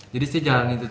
jadi saya jalanin terus